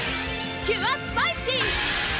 キュアスパイシー！